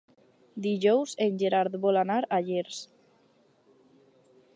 Dijous en Gerard vol anar a Llers.